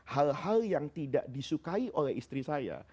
hal hal yang tidak disukai oleh istri saya